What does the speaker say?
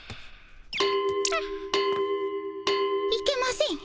あっいけません。